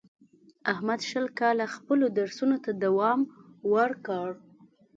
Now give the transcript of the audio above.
احمد شل کاله خپلو درسونو ته دوام ورکړ.